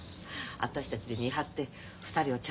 私たちで見張って２人をちゃんとしないとね。